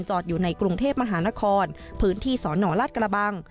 จอดอยู่ในกรุงเทพมหานครพื้นที่สอนหนอลาศกระบัง